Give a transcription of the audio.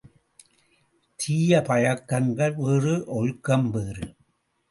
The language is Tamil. தீய பழக்கங்கள் வேறு ஒழுக்கம் வேறு.